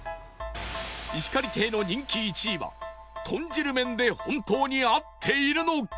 石狩亭の人気１位は豚汁麺で本当に合っているのか？